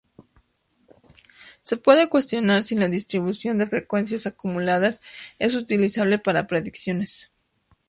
Se puede cuestionar si la distribución de frecuencias acumuladas es utilizable para predicciones.